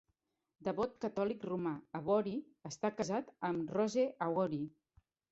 Devot catòlic romà, Awori està casat amb Rose Awori.